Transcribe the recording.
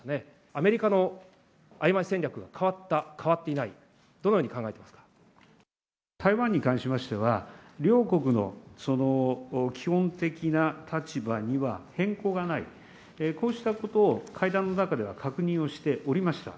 アメリカのあいまい戦略は変わった、変わっていない、台湾に関しましては、両国の基本的な立場には、変更がない、こうしたことを会談の中では確認をしておりました。